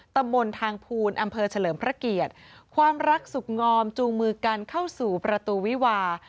ตำบลทางภูลอำเภอเฉลิมพระเกียรติความรักสุขงอมจูงมือกันเข้าสู่ประตูวิวา